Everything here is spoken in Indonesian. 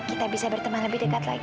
kita bisa berteman lebih dekat lagi